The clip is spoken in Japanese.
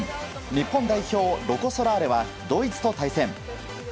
日本代表、ロコ・ソラーレはドイツと対戦。